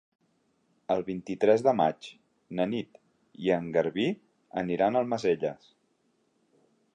El vint-i-tres de maig na Nit i en Garbí aniran a Almacelles.